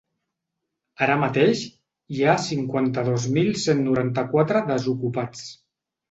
Ara mateix, hi ha cinquanta-dos mil cent noranta-quatre desocupats.